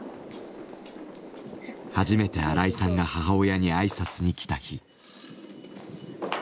初めて荒井さんが母親に挨拶に来た日。